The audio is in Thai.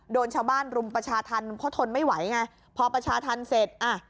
โดนชาวบ้านรุมประชาธรรมเพราะทนไม่ไหวไงพอประชาธรรมเสร็จอ่ะ